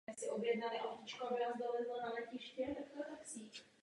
V zítřejším hlasování si zaslouží naši podporu.